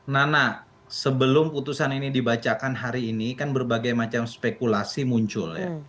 nana sebelum putusan ini dibacakan hari ini kan berbagai macam spekulasi muncul ya